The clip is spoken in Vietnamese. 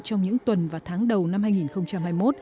trong những tuần và tháng đầu năm hai nghìn hai mươi một